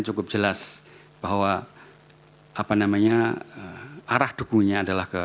cukup jelas bahwa arah dukungannya adalah ke